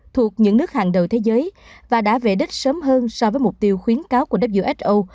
thuộc những nước hàng đầu thế giới và đã về đích sớm hơn so với mục tiêu khuyến cáo của who